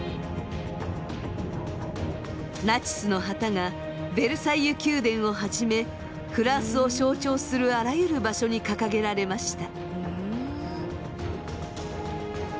ナチスの旗がベルサイユ宮殿をはじめフランスを象徴するあらゆる場所に掲げられました。